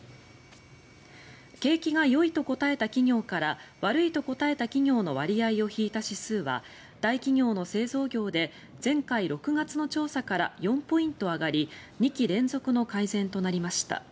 景気がよいと答えた企業から悪いと答えた企業の割合を引いた指数は大企業の製造業で前回６月の調査から４ポイント上がり２期連続の改善となりました。